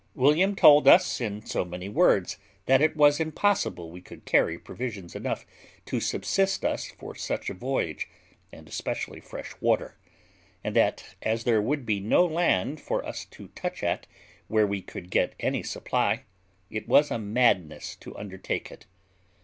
William told us in so many words, that it was impossible we could carry provisions enough to subsist us for such a voyage, and especially fresh water; and that, as there would be no land for us to touch at where we could get any supply, it was a madness to undertake it.